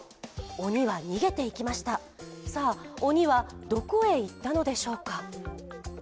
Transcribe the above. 鬼は逃げていきました、さあ、鬼はどこへ行ったのでしょうか。